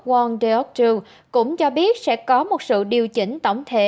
won deok ju cũng cho biết sẽ có một sự điều chỉnh tổng thể